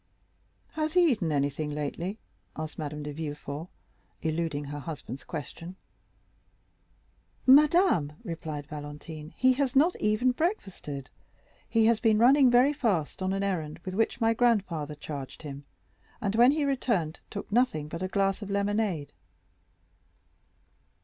"Has he eaten anything lately?" asked Madame de Villefort, eluding her husband's question. "Madame," replied Valentine, "he has not even breakfasted. He has been running very fast on an errand with which my grandfather charged him, and when he returned, took nothing but a glass of lemonade."